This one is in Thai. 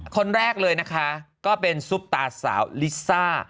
คนแรกเลยนะคะก็เป็นซุปตาสาวลิซ่า